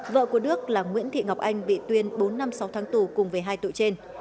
vợ của đức là nguyễn thị ngọc anh bị tuyên bốn năm sáu tháng tù cùng với hai tội trên